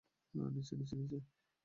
নিচে, নিচে, নিচে!